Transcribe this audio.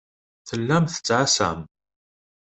Tellam tettɛassam.